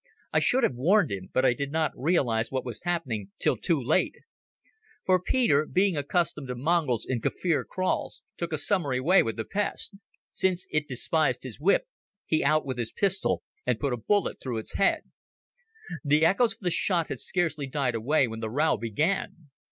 I should have warned him, but I did not realize what was happening, till too late. For Peter, being accustomed to mongrels in Kaffir kraals, took a summary way with the pest. Since it despised his whip, he out with his pistol and put a bullet through its head. The echoes of the shot had scarcely died away when the row began.